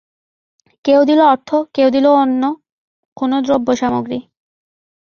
কেউ দিল অর্থ, কেউ দিল অন্য কোন দ্রব্য-সামগ্রী।